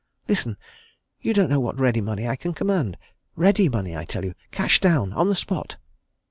"Listen! you don't know what ready money I can command. Ready money, I tell you cash down, on the spot!"